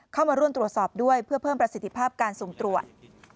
เข้ามาร่วมตรวจสอบด้วยเพื่อเพิ่มประสิทธิภาพการสุ่มตรวจ